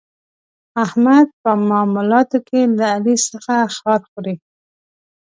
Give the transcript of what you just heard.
احمد په معاملاتو کې له علي څخه خار خوري.